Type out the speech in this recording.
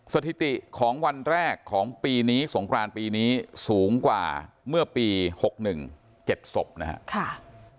สถิติของวันแรกของปีนี้สงครานปีนี้สูงกว่าเมื่อปี๖๑๗ศพนะครับ